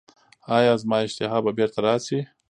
ایا زما اشتها به بیرته راشي؟